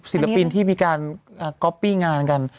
ศิลปินที่มีการก๊อปปี้งานกัน